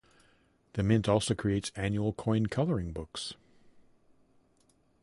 The Mint also creates annual coin coloring books.